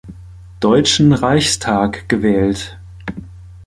Deutschen Reichstag gewählt.